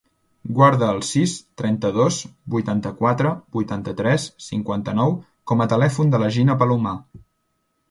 Guarda el sis, trenta-dos, vuitanta-quatre, vuitanta-tres, cinquanta-nou com a telèfon de la Gina Palomar.